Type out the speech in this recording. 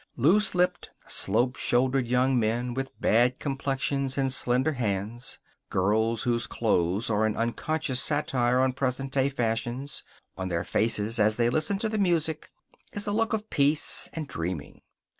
Loose lipped, slope shouldered young men with bad complexions and slender hands. Girls whose clothes are an unconscious satire on present day fashions. On their faces, as they listen to the music, is a look of peace and dreaming.